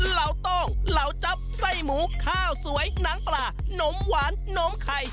เหล่าโต้งเหล่าจั๊บไส้หมูข้าวสวยหนังปลานมหวานนมไข่